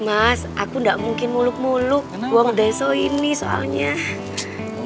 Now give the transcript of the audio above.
mas aku nggak mungkin muluk muluk buang deso ini soalnya